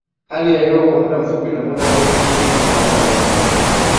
hali ya hewa kwa muda mfupi na muda mrefu Hili litaweka ulimwengu